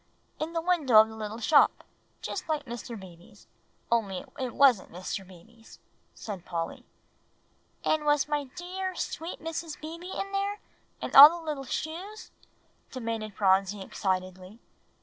"In the window of the little shop, just like Mr. Beebe's, only it wasn't Mr. Beebe's," said Polly. "And was my dear, sweet Mrs. Beebe in there, and all the little shoes?" demanded Phronsie excitedly.